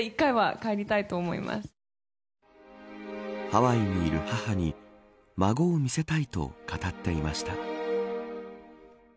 ハワイにいる母に孫を見せたいと語っていました。